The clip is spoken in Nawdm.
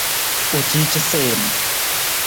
U ci casiim.